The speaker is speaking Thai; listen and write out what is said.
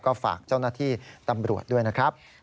ก็ฝากเจ้าหน้าที่ตำรวจด้วยนะครับ